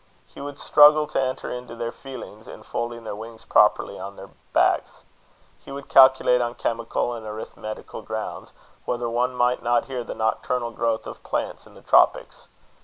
He would struggle to enter into their feelings in folding their wings properly on their backs. He would calculate, on chemical and arithmetical grounds, whether one might not hear the nocturnal growth of plants in the tropics.